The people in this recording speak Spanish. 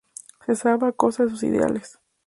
Se salva a costa de sus ideales.